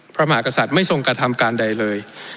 พระมหากษัตริย์ไม่ทรงกระทำการใดเลย